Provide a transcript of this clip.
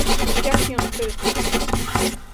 Que accións tedes previstas?